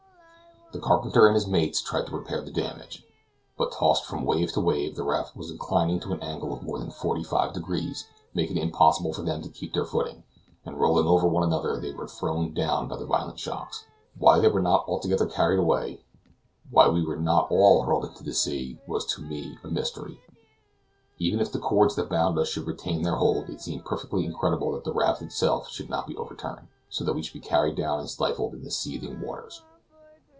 The carpenter and his mates tried to repair the damage, but, tossed from wave to wave, the raft was inclined to an angle of more than forty five degrees, making it impossible for them to keep their footing, and rolling one over another, they were thrown down by the violent shocks. Why they were not altogether carried away, why we were not all hurled into the sea, was to me a mystery. Even if the cords that bound us should retain their hold, it seemed perfectly incredible that the raft itself should not be overturned, so that we should be carried down and stifled in the seething waters.